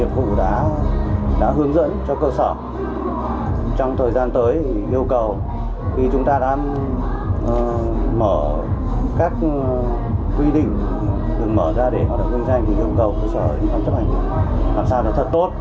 yêu cầu cơ sở chức năng chấp hành làm sao là thật tốt